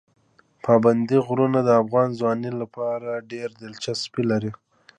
پابندي غرونه د افغان ځوانانو لپاره ډېره دلچسپي لري.